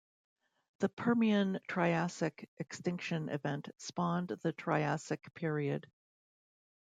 The Permian-Triassic extinction event spawned the Triassic period.